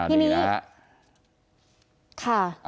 อันนี้นะครับ